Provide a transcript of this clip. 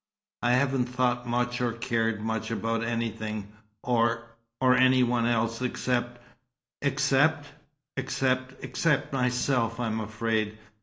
I haven't thought much or cared much about anything, or or any one except " "Except " "Except except myself, I'm afraid."